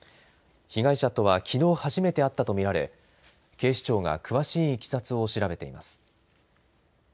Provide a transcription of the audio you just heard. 被害者とはきのう初めて会ったとみられ警視庁が詳しいいきさつを調べています。